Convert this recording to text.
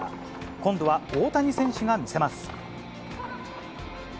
今度は大谷選手が見せます。